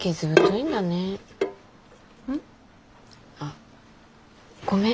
あっごめん。